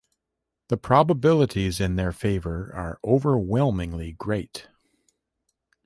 The probabilities in their favor are overwhelmingly great.